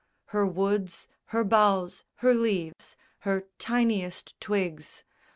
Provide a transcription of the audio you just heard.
Her woods, her boughs, her leaves, her tiniest twigs.